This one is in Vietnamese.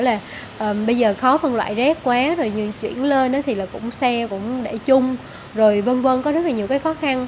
là bây giờ khó phân loại rác quá rồi chuyển lên thì cũng xe cũng để chung rồi vân vân có rất là nhiều cái khó khăn